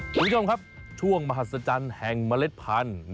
คุณผู้ชมครับช่วงมหัศจรรย์แห่งเมล็ดพันธุ์